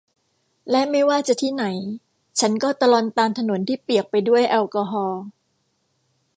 และไม่ว่าจะที่ไหนฉันก็ตะลอนตามถนนที่เปียกไปด้วยแอลกอฮอล์